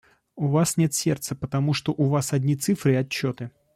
В Вас нет сердца, потому что у Вас одни цифры и отчеты!